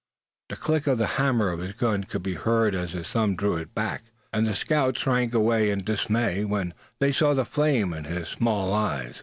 The click of the hammer of his gun could be heard as his thumb drew it back; and the scouts shrank away in dismay when they saw the flame in his small eyes.